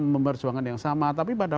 memperjuangkan yang sama tapi pada